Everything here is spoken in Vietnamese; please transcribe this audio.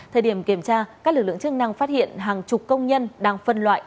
thời điểm kiểm tra các lực lượng chức năng phát hiện hàng chục công nhân đang phân loại